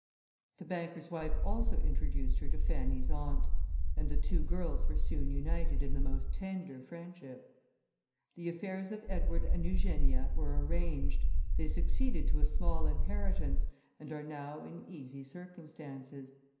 The banker's wife also introduced her to Fanny's aunt, and the two girls were soon united in the most tender friendship. The affairs of Edward and Eugenia were arranged, they succeeded to a small inheritance, and are now in easy circumstances.